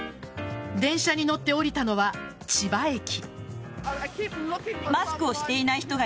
電車に乗って降りたのは千葉駅。